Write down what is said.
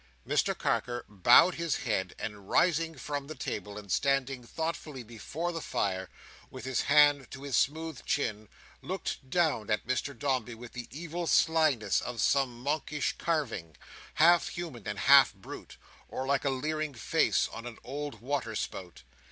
Mr Carker bowed his head, and rising from the table, and standing thoughtfully before the fire, with his hand to his smooth chin, looked down at Mr Dombey with the evil slyness of some monkish carving, half human and half brute; or like a leering face on an old water spout.